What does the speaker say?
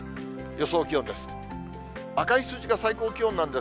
予想気温です。